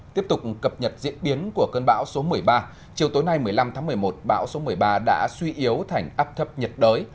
tiếp tục cập nhật diễn biến của cơn bão số một mươi ba chiều tối nay một mươi năm tháng một mươi một bão số một mươi ba đã suy yếu thành áp thấp nhiệt đới